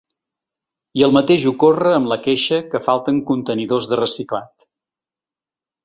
I el mateix ocorre amb la queixa que falten contenidors de reciclat.